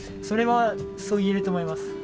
それはそう言えると思います。